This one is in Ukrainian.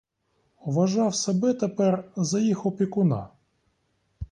Уважав себе тепер за їх опікуна.